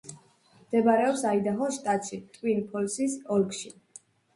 მდებარეობს აიდაჰოს შტატში, ტვინ-ფოლსის ოლქში.